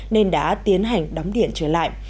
nên đã tiến hành đóng điện trở lại